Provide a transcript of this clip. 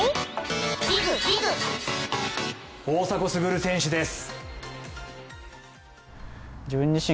大迫傑選手です。